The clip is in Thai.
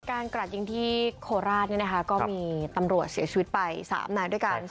กระดยิงที่โคราชก็มีตำรวจเสียชีวิตไป๓นายด้วยกัน